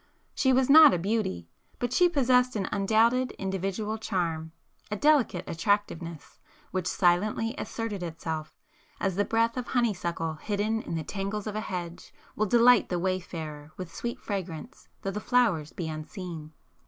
She was not a beauty; but she possessed an undoubted individual charm,—a delicate attractiveness, which silently asserted itself, as the breath of honeysuckle hidden in the tangles of a hedge, will delight the wayfarer with sweet fragrance though the flowers be unseen.